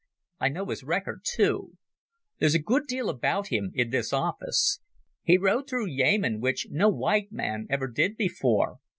I know his record, too. There's a good deal about him in this office. He rode through Yemen, which no white man ever did before.